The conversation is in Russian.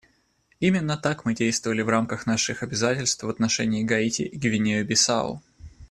Именно так мы действовали в рамках наших обязательств в отношении Гаити и Гвинеи-Бисау.